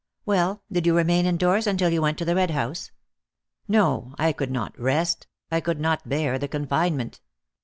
Well, did you remain indoors until you went to the Red House?" "No. I could not rest; I could not bear the confinement.